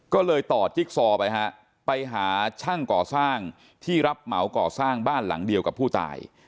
ก็เลยต่อจิ๊กซอไปฮะไปหาช่างก่อสร้างที่รับเหมาก่อสร้างบ้านหลังเดียวกับผู้ตาย